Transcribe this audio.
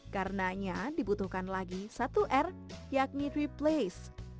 karenanya dibutuhkan lagi satu r yakni triplace